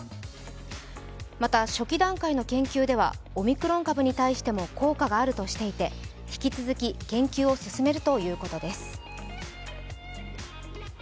また、初期段階の研究ではオミクロン株に対しても効果があるとしていて引き続き研究を進めるということです。